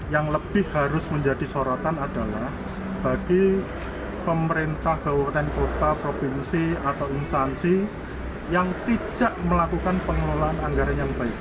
yang lebih harus menjadi sorotan adalah bagi pemerintah kabupaten kota provinsi atau instansi yang tidak melakukan pengelolaan anggaran yang baik